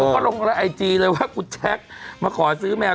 เขาลงไลน์ไอจีเลยว่ากุ่นแชโกรธมาขอซื้อแมว